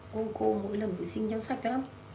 cô cô mỗi lần vệ sinh cháu sạch lắm